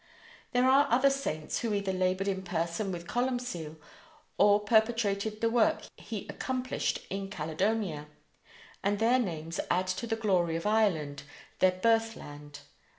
There are other saints who either labored in person with Columcille or perpetuated the work he accomplished in Caledonia; and their names add to the glory of Ireland, their birth land.